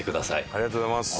ありがとうございます。